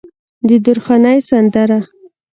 د درخانۍ سندره